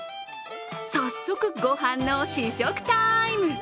早速、ごはんの試食タイム。